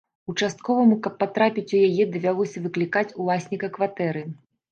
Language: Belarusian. Участковаму, каб патрапіць у яе, давялося выклікаць уласніка кватэры.